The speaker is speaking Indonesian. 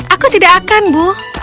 aku tidak akan bu